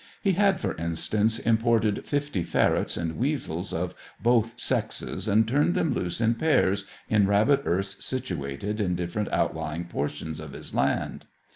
He had, for instance, imported fifty ferrets and weasels of both sexes and turned them loose in pairs, in rabbit earths situated in different outlying portions of his land.